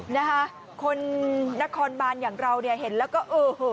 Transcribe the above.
นะคะคนนครบานอย่างเราเนี่ยเห็นแล้วก็เออ